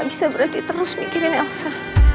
tapi mama lagi berhenti terus mikirin elsa